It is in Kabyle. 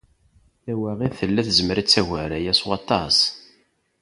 Tawaɣit tella tezmer ad tagar aya s waṭas.